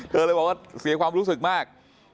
เลยบอกว่าเสียความรู้สึกมาก